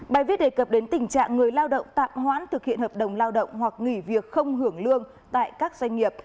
bài viết đề cập đến tình trạng người lao động tạm hoãn thực hiện hợp đồng lao động hoặc nghỉ việc không hưởng lương tại các doanh nghiệp